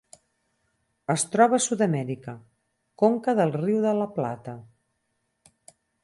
Es troba a Sud-amèrica: conca del Riu de La Plata.